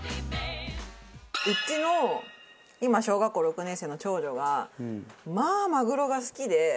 うちの今小学校６年生の長女がまあマグロが好きで。